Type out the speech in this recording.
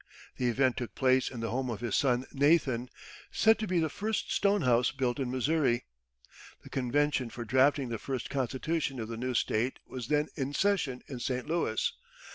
The event took place in the home of his son Nathan, said to be the first stone house built in Missouri. The convention for drafting the first constitution of the new State was then in session in St. Louis.